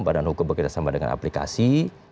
badan hukum berkaitan sama dengan aplikasi